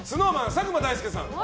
佐久間大介さん。